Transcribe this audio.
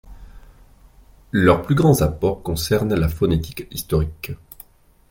Leurs plus grands apports concernent la phonétique historique.